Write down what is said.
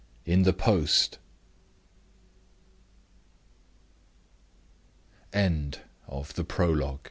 "In the post." THE END OF THE PROLOGUE.